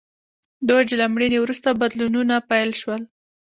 دوج له مړینې وروسته بدلونونه پیل شول.